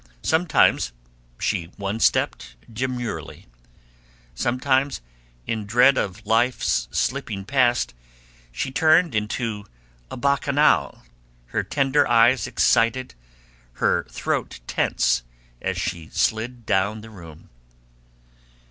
Sometimes she one stepped demurely; sometimes, in dread of life's slipping past, she turned into a bacchanal, her tender eyes excited, her throat tense, as she slid down the room.